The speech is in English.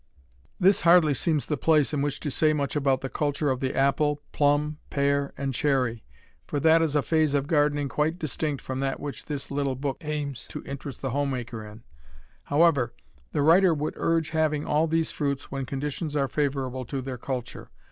This hardly seems the place in which to say much about the culture of the apple, plum, pear, and cherry, for that is a phase of gardening quite distinct from that which this little book aims to interest the homemaker in. However, the writer would urge having all these fruits when conditions are favorable to their culture.